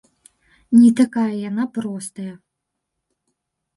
Не такая яна простая!